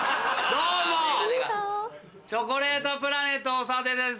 どうもチョコレートプラネットオサデです。